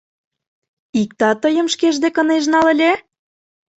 — Иктат тыйым шкеж дек ынеж нал ыле?